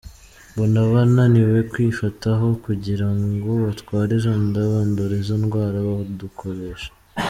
Mbona abananiwe kwifata aho kugira ngo batware izo nda, bandure izo ndwara, badukoresha.